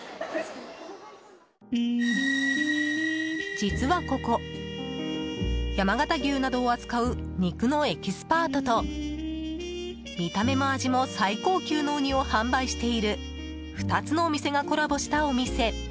実はここ、山形牛などを扱う肉のエキスパートと見た目も味も最高級のウニを販売している２つのお店がコラボしたお店。